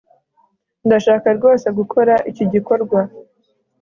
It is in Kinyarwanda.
Ndashaka rwose gukora iki gikorwa